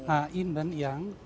ha yin dan yang